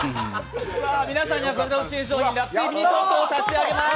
皆さんには新商品のラッピーミニトートを差し上げます。